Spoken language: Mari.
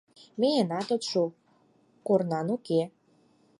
Миенат от шу... корнат уке.